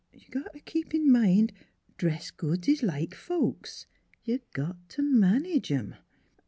You got t' keep in mind dress goods is like folks ; you got t' manage 'em.